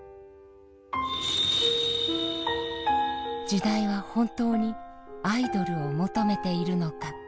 時代は本当にアイドルを求めているのか。